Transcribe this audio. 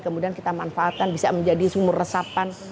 kemudian kita manfaatkan bisa menjadi sumur resapan